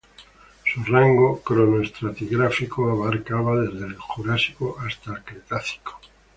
Su rango cronoestratigráfico abarcaba desde el Jurásico hasta el Cretácico.